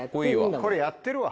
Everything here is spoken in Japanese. これやってるわ。